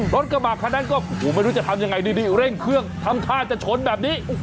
รถกระบะคันนั้นก็ไม่รู้จะทำยังไงดีเร่งเครื่องทำท่าจะชนแบบนี้